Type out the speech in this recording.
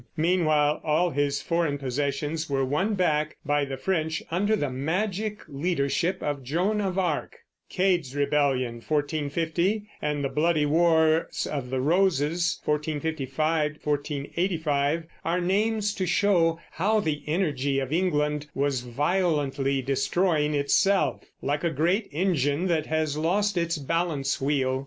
Meanwhile all his foreign possessions were won back by the French under the magic leadership of Joan of Arc. Cade's Rebellion (1450) and the bloody Wars of the Roses (1455 1485) are names to show how the energy of England was violently destroying itself, like a great engine that has lost its balance wheel.